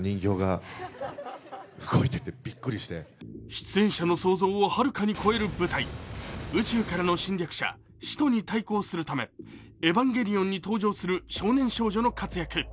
出演者の想像を遙かに超える舞台宇宙からの侵略者、使徒に対抗するため、エヴァンゲリオンに搭乗する少年少女の活躍。